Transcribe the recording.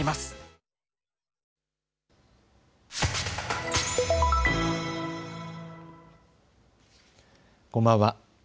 こんばんは。